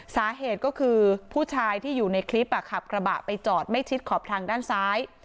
สาเหตุก็คือผู้ชายที่อยู่ในคลิปขับกระบะไปจอดไม่ชิดขอบทางด้านซ้าย